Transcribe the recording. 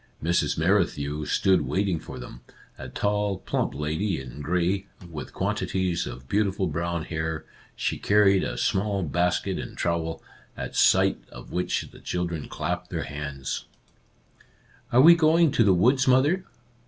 Mrs. Merrithew stood waiting for them, a tall, plump lady in gray, with quantities of beautiful brown hair. She carried a small basket and trowel, at sight of which the children clapped their hands. 6 Our Little Canadian Cousin "Are we going to the woods, mother?"